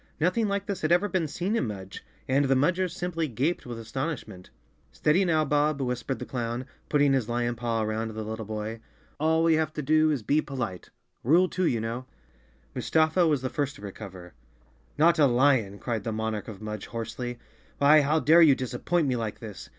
Nothing like this had ever been seen in Mudge, and the Mudgers simply gaped with astonishment. " Steady now, Bob," whispered the clown, putting his lion paw around the little boy. "All we have to do is 46 Chapter Four to be polite—rule two, you know!" Mustafa was the first to recover. "Not a lion!" cried the Monarch of Mudge hoarsely. "Why, how dare you disappoint me like this?